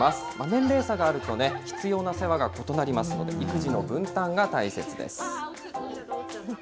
年齢差があると必要な世話が異なりますので、育児の分担が大切です。